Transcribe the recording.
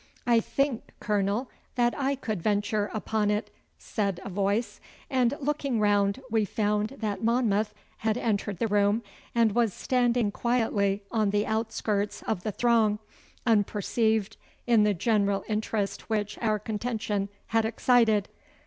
'I think, Colonel, that I could venture upon it,' said a voice; and looking round, we found that Monmouth had entered the room and was standing quietly on the outskirts of the throng, unperceived in the general interest which our contention had excited.